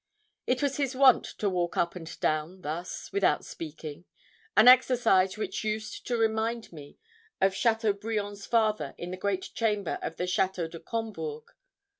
It was his wont to walk up and down thus, without speaking an exercise which used to remind me of Chateaubriand's father in the great chamber of the Château de Combourg.